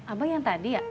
abang yang tadi ya